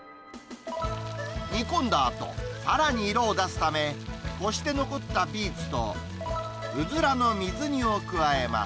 煮込んだあと、さらに色を出すため、こして残ったビーツとウズラの水煮を加えます。